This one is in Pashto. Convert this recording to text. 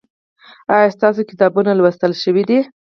ایا ستاسو کتابونه لوستل شوي دي؟